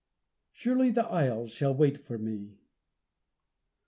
"Surely the isles shall wait for me."